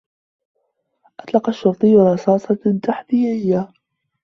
أطلق الشرطي رصاصة تحذيرية.